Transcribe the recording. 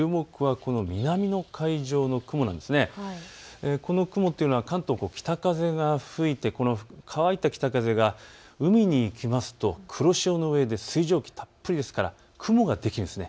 この雲というのは関東、北から風が吹いて乾いた北風が海に行きますと黒潮の上で水蒸気たっぷりですから、雲ができます。